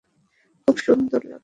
খুবই সুন্দর লাগে।